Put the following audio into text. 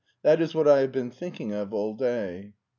That is what I have been thinking of all day."